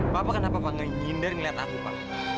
papa kenapa nginyindar ngeliat aku pa